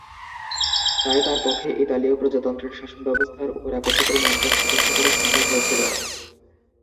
তাই তার পক্ষে ইতালীয় প্রজাতন্ত্রের শাসনব্যবস্থার উপর একচ্ছত্র নিয়ন্ত্রণ প্রতিষ্ঠা করা সম্ভব হয়েছিল।